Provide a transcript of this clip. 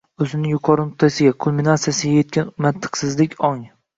O‘zining yuqori nuqtasiga – kulminatsiyasiga yetgan mantiqsizlik ong